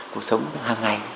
cuộc sống hàng ngày